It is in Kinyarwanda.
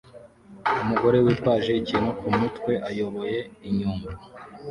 umugore witwaje ikintu kumutwe ayoboye inyumbu